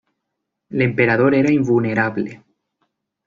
L’emperador era invulnerable.